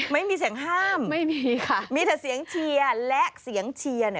ไม่มีเสียงห้ามไม่มีค่ะมีแต่เสียงเชียร์และเสียงเชียร์